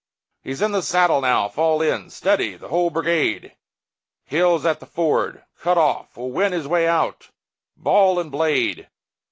He's in the saddle now. Fall in! Steady! the whole brigade! Hill's at the ford, cut off; we'll win His way out, ball and blade!